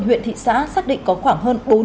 huyện thị xã xác định có khoảng hơn